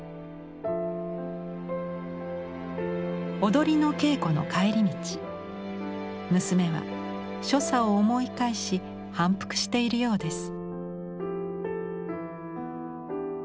踊りの稽古の帰り道娘は所作を思い返し反復しているようです。